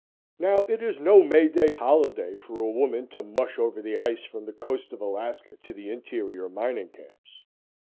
Now, it is no May day holiday for a woman to "mush" over the ice from the coast of Alaska to the interior mining camps.